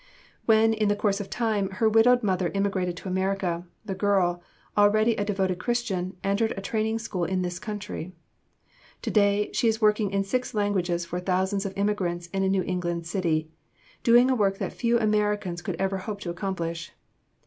When, in the course of time, her widowed mother immigrated to America, the girl, already a devoted Christian, entered a training school in this country. Today she is working in six languages for thousands of immigrants in a New England city, doing a work that few Americans could ever hope to accomplish.